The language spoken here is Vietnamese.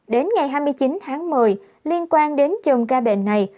đến ngày hai mươi chín tháng một mươi liên quan đến chùm ca bệnh này